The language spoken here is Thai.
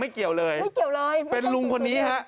ไม่เกี่ยวเลยไม่ใช่สุดท้ายเป็นลุงคนนี้ฮะ